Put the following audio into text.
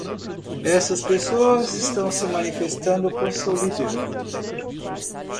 Essas pessoas estão se manifestando por seu líder.